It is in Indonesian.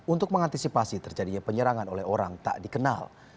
untuk mengantisipasi terjadinya penyerangan oleh orang tak dikenal